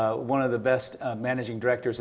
salah satu dari pengarah manajer terbaik